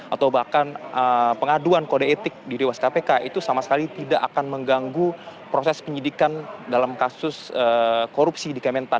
atau bahkan pengaduan kode etik di dewas kpk itu sama sekali tidak akan mengganggu proses penyidikan dalam kasus korupsi di kementan